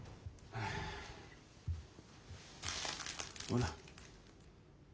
ほら。